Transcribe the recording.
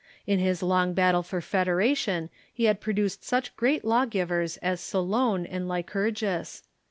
In his long battle for federation he had produced such great law givers as Solon and Lycurgus.